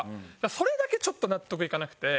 それだけちょっと納得いかなくて。